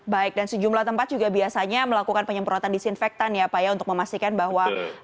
baik dan sejumlah tempat juga biasanya melakukan penyemprotan disinfektan ya pak ya untuk memastikan bahwa